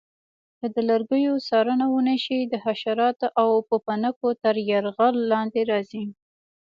که د لرګیو څارنه ونه شي د حشراتو او پوپنکو تر یرغل لاندې راځي.